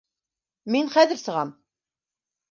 Мин хәҙер сығам.